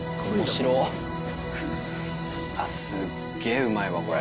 あっすっげぇうまいわこれ。